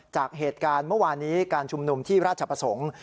จากเหตุการณ์เมื่อวานนี้การชุมนุมที่ราชประสงค์